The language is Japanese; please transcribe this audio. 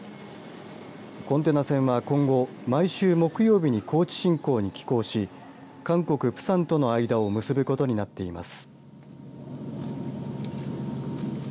コンテナ船は今後毎週木曜日に高知新港に寄港し韓国プサンとの間を結ぶことになっています。